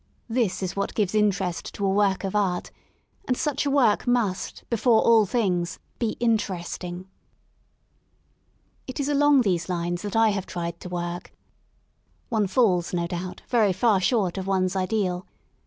This is what gives interest to a work of art; and such a work must, before all things, be interesting. It is along these lines that I have tried to work; one Calls, no doubt very far short of one^s ideal.